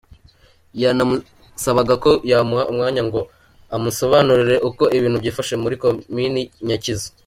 Yanamusabaga ko yamuha umwanya ngo amusobanurire uko ibintu byifashe muri Komini Nyakizu.